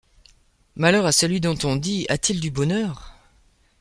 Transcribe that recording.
Malheur à celui dont on dit: A-t-il du bonheur!